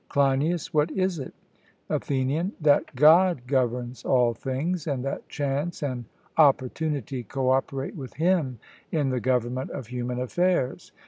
CLEINIAS: What is it? ATHENIAN: That God governs all things, and that chance and opportunity co operate with Him in the government of human affairs.